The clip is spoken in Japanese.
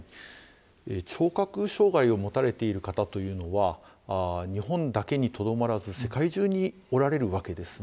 聴覚障害を持たれている方というのは、日本だけにとどまらず、世界中におられるわけですね。